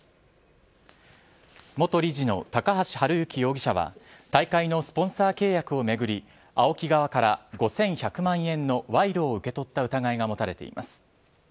元理事の高橋治之容疑者は大会のスポンサー契約を巡りＡＯＫＩ側から５１００万円の賄賂を受け取った疑いが持たれています。